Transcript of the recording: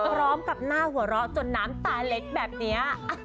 พร้อมกับหน้าหัวเราะจนน้ำตาเล็กแบบนี้